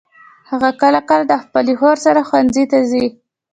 هغه کله کله د خپلي خور سره ښوونځي ته ځي.